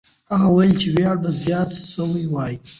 هغه وویل چې ویاړ به زیات سوی وای.